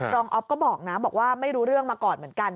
อ๊อฟก็บอกนะบอกว่าไม่รู้เรื่องมาก่อนเหมือนกัน